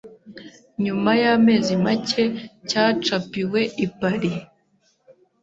Nyuma y’amezi make cyacapiwe i Paris